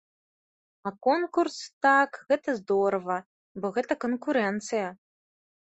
А конкурс, так, гэта здорава, бо гэта канкурэнцыя.